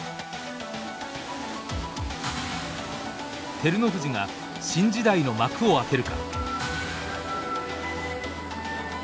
照ノ富士が新時代の幕を開けるか。